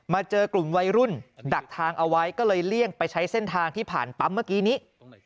เจอกลุ่มวัยรุ่นดักทางเอาไว้ก็เลยเลี่ยงไปใช้เส้นทางที่ผ่านปั๊มเมื่อกี้นี้